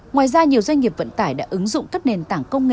ngoài ra nhiều doanh nghiệp vận tải đã ứng dụng các nền tảng công nghệ